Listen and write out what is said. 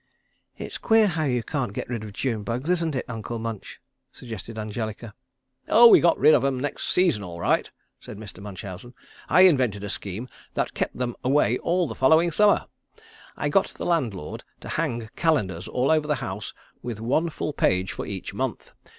"It's queer how you can't get rid of June bugs, isn't it, Uncle Munch," suggested Angelica. "Oh, we got rid of 'em next season all right," said Mr. Munchausen. "I invented a scheme that kept them away all the following summer. I got the landlord to hang calendars all over the house with one full page for each month.